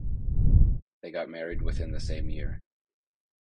They got married within the same year.